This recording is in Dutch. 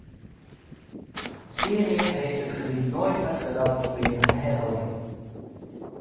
Syrië heeft dit gebied nooit met geweld proberen te heroveren.